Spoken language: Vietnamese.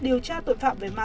điều tra tội phạm về mạng